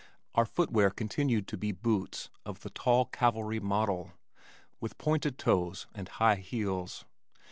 Our footwear continued to be boots of the tall cavalry model with pointed toes and high heels.